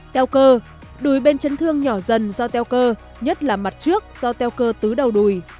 teo cơ đùi bên chấn thương nhỏ dần do teo cơ nhất là mặt trước do teo cơ tứ đầu đùi